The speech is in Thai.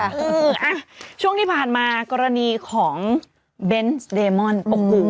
เอออ่ะช่วงที่ผ่านมากรณีของเบนส์เดมอนโอ้โห